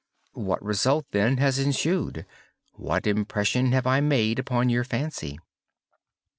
What result, then, has ensued? What impression have I made upon your fancy?"